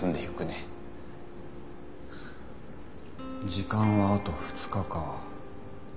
時間はあと２日か。